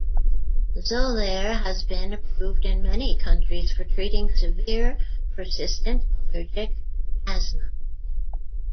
Xolair has been approved in many countries for treating severe, persistent allergic asthma.